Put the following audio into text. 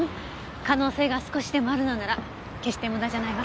可能性が少しでもあるのなら決して無駄じゃないわ。